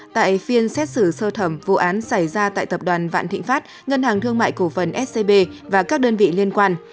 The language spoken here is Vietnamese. tại phiên xét xử sơ thẩm vụ án xảy ra tại tập đoàn vạn thịnh pháp ngân hàng thương mại cổ phần scb và các đơn vị liên quan